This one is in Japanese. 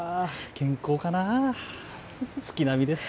健康かな。